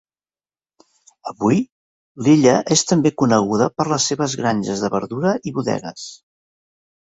Avui l'illa és també coneguda per les seves granges de verdura i bodegues.